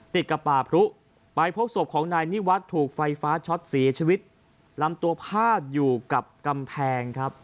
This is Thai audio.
ติดกับป่าพรุไปพบศพของนายนิวัฒน์ถูกไฟฟ้าช็อตเสียชีวิตลำตัวพาดอยู่กับกำแพงครับ